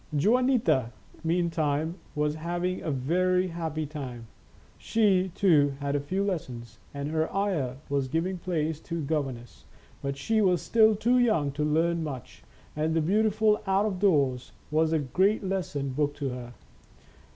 Juanita, meantime, was having a very happy time. She, too, had a few lessons, and her aya was giving place to a governess, but she was still too young to learn much, and the beauti ful out of doors was a great lesson book to her.